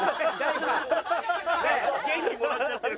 元気もらっちゃってる。